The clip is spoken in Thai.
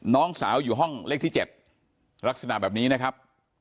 น้องสาวอยู่ห้องเลขที่๗ลักษณะแบบนี้นะครับ